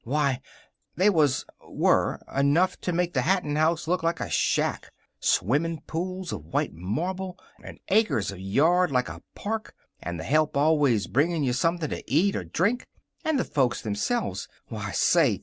Why, they was were enough to make the Hatton house look like a shack. Swimmin' pools of white marble, and acres of yard like a park, and the help always bringing you something to eat or drink. And the folks themselves why, say!